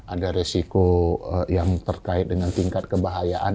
ada resiko yang terkait dengan tingkat kebahayaan